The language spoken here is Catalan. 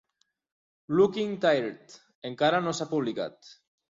"Looking Tired" encara no s'ha publicat.